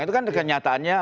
itu kan kenyataannya